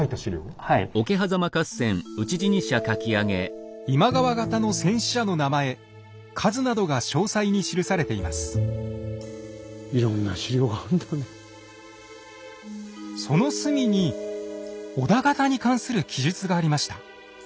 その隅に織田方に関する記述がありました。